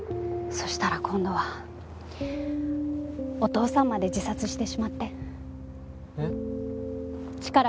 そしたら今度はお父さんまで自殺してしまって。